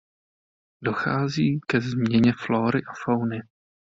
Dochází ke změně flóry a fauny.